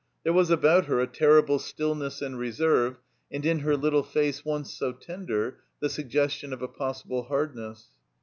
There was about her a ter rible stillness and reserve, and in her little face, once so tender, the suggestion of a possible hardness.